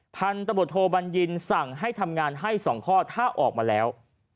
พันธบทโทบัญญินสั่งให้ทำงานให้๒ข้อถ้าออกมาแล้ว